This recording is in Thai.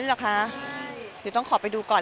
เนื้อหาดีกว่าน่ะเนื้อหาดีกว่าน่ะ